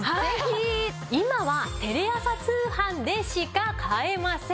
今はテレ朝通販でしか買えません！